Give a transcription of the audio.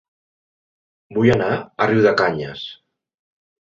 Vull anar a Riudecanyes